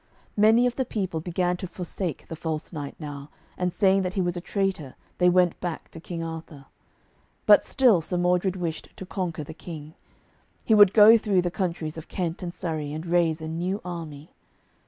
Many of the people began to forsake the false knight now, and saying that he was a traitor, they went back to King Arthur. But still Sir Modred wished to conquer the King. He would go through the counties of Kent and Surrey and raise a new army.